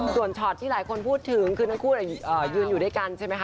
ส่วนช็อตที่หลายคนพูดถึงคือทั้งคู่ยืนอยู่ด้วยกันใช่ไหมคะ